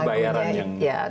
itu bayaran yang